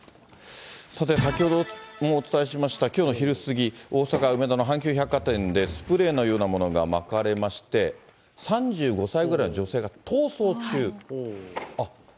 さて、先ほどもお伝えしましたきょうの昼過ぎ、大阪・梅田の阪急百貨店で、スプレーのようなものがまかれまして、３５歳ぐらいの女性が逃走中。